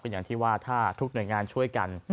อย่างที่ว่าถ้าทุกหน่วยงานช่วยกัน